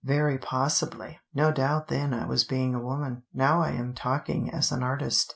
"Very possibly. No doubt then I was being a woman, now I am talking as an artist.